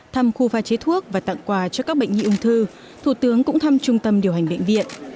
thăm khu pha chế thuốc và tặng quà cho các bệnh nhi ung thư thủ tướng cũng thăm trung tâm điều hành bệnh viện